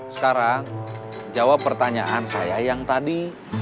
sekarang jawab pertanyaan saya yang tadi